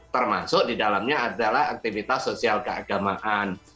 termasuk di dalamnya adalah aktivitas sosial keagamaan